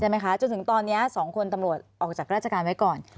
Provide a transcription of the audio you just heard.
จนถึงตอนนี้๒คนตำรวจออกจากราชการไว้ก่อน